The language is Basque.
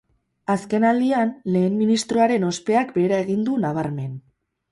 Azken aldian, lehen ministroaren ospeak behera egin du, nabarmen.